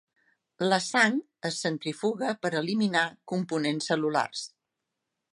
La sang es centrifuga per eliminar components cel·lulars.